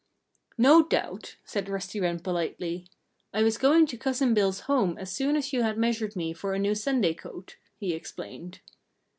"No doubt!" said Rusty Wren politely. "I was going to Cousin Bill's home as soon as you had measured me for a new Sunday coat," he explained.